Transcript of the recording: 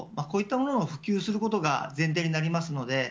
こういったものを普及をすることが前提になります。